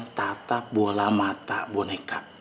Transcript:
kita tetap bola mata boneka